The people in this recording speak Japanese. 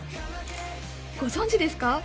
ご存じですか？